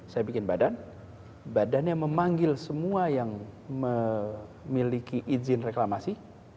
saya bikin badan badannya memanggil semua yang memiliki izin reklamasi